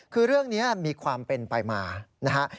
คือเรื่องนี้มีความเป็นไปมานะฮะ